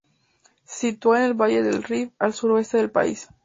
Se sitúa en el valle del Rift, al suroeste del país.